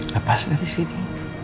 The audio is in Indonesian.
lepas dari sini